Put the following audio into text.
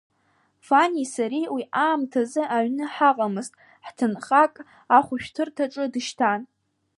Ваниеи сареи уи аамҭаз аҩны ҳаҟамызт, ҳҭынхак ахәшәҭәырҭаҿы дышьҭан.